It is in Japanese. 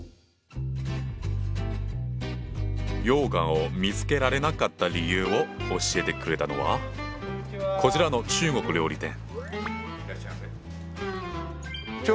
羊羹を見つけられなかった理由を教えてくれたのはこちらの中国料理店。